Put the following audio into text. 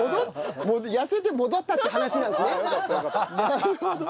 なるほど。